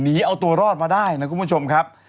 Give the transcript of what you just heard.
หนีเอาตัวรอดมาได้นะคุณผู้ชมครับ